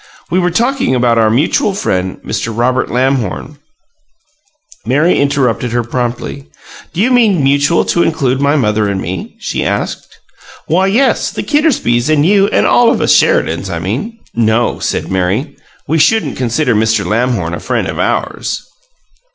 We were talking about our mutual friend, Mr. Robert Lamhorn " Mary interrupted her promptly. "Do you mean 'mutual' to include my mother and me?" she asked. "Why, yes; the Kittersbys and you and all of us Sheridans, I mean." "No," said Mary. "We shouldn't consider Mr. Robert Lamhorn a friend of ours."